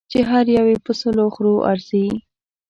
چې هر یو یې په سلو خرو ارزي.